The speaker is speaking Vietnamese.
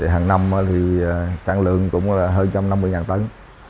hằng năm sản lượng hơn một trăm năm mươi tấn